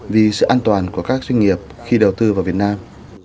vì sự an toàn của các doanh nghiệp khi đầu tư vào việt nam